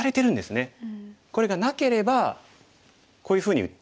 これがなければこういうふうに打って。